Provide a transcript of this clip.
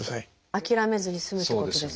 諦めずに済むってことですね。